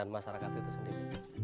masyarakat itu sendiri